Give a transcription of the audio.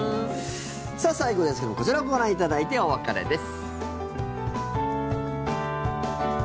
さあ、最後ですけどこちらをご覧いただいてお別れです。